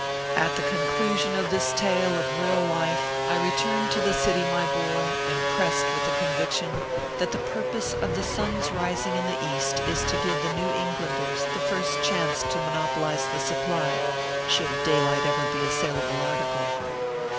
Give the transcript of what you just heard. " At the conclusion of this tale of real life I returned 238 ORPHEUS C. KERR PAPERS. to the city, my boy ; impressed with the conviction that the purpose of the sun s rising in the East is to give the New Englanders the first chance to monopo lize the supply, should daylight ever be a sailable article.